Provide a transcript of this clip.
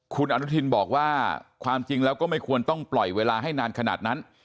คุณอนุทินบอกว่าความจริงแล้วก็ไม่ควรต้องปล่อยเวลาให้นานขนาดนั้น